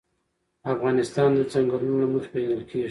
افغانستان د چنګلونه له مخې پېژندل کېږي.